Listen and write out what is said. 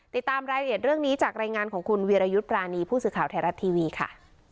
ติดตามรายละเอียดเรื่องนี้จากรายงานของคุณวีรยุทธ์ปรานีผู้สื่อข่าวไทยรัฐทีวีค่ะ